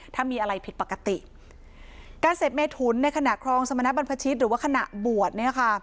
ถ้ามีอะไรผิดปกติการเสพเมถุนในขณะครองสมณบรรพชิตหรือว่าขณะบวชเนี่ยค่ะ